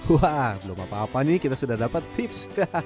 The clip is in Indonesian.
wah belum apa apa nih kita sudah dapat tips